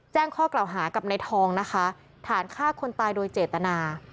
แจ้งข้อกล่าวหากับในทองนะคะฐานฆ่าคนตายโดยเจตนา